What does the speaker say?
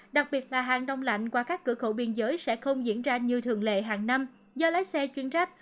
đặc biệt là hàng đông lạnh qua các cửa khẩu biên giới sẽ không diễn ra như thường lệ hàng năm do lái xe chuyên trách